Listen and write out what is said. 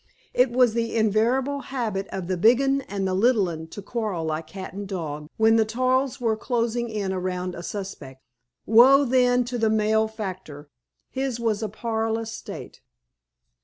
It was the invariable habit of the Big 'Un and Little 'Un to quarrel like cat and dog when the toils were closing in around a suspect. Woe, then, to the malefactor! His was a parlous state.